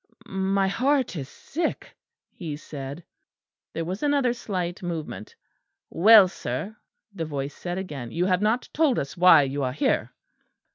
"My heart is sick," he said. There was another slight movement. "Well, sir," the voice said again, "you have not told us why you are here."